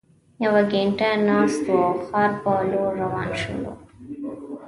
یوه ګینټه ناست وو او ښار په لور روان شولو.